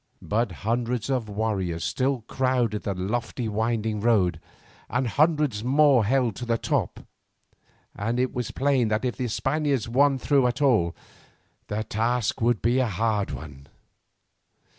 But hundreds of warriors still crowded the lofty winding road, and hundreds more held the top, and it was plain that if the Spaniards won through at all, the task would be a hard one.